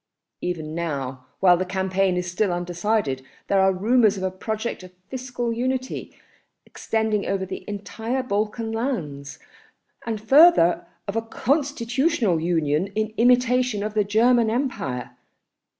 Even now, while the campaign is still undecided, there are rumours of a project of fiscal unity, extending over the entire Balkan lands, and further of a constitutional union in imitation of the German Empire.